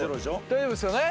大丈夫ですよね？